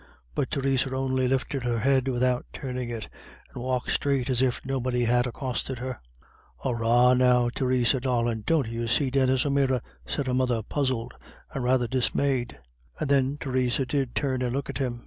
But Theresa only lifted her head without turning it, and walked straight on as if nobody had accosted her. "Arrah, now, Theresa darlint, don't you see Denis O'Meara?" said her mother, puzzled and rather dismayed. And then Theresa did turn and look at him.